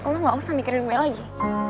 allah gak usah mikirin gue lagi